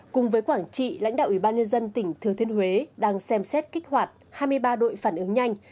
cùng với quảng trị lãnh đạo ubnd tỉnh thừa thiên huế đang xem xét kích hoạt hai mươi ba đội phản ứng nhanh